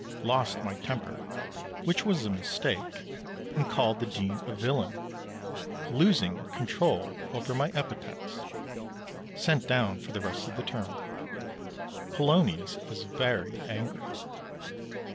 Lost my temper, which was a mistake, and called the Dean a villain, losing control over my epithets. Sent down for the rest of the term. Polonius is very angry.